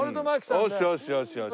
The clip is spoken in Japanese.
よしよしよしよし。